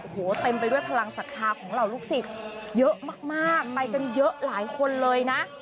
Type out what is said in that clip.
โอ้โหเต็มไปด้วยพลังศรัทธาของเหล่าลูกศิษย์เยอะมากไปกันเยอะหลายคนเลยนะ